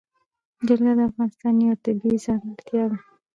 جلګه د افغانستان یوه طبیعي ځانګړتیا ده.